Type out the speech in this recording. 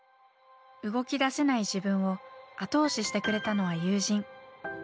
動き出せない自分を後押ししてくれたのは友人。